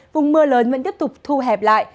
vùng mưa lớn vẫn tiếp tục thu hẹp lại